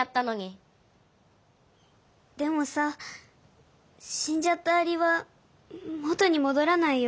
でもさしんじゃったアリは元にもどらないよ。